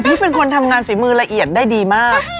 เป็นคนทำงานฝีมือละเอียดได้ดีมาก